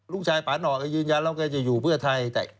ลูกชายปานออกให้ยืนยันแล้วเขาจะอยู่เพื่อไทย